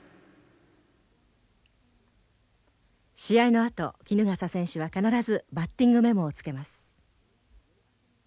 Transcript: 試合のあと衣笠選手は必ずバッティングメモをつけます。